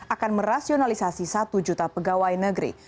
akan merasionalisasi satu juta pegawai negeri